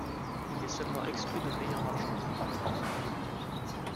Il est seulement exclu de payer en argent.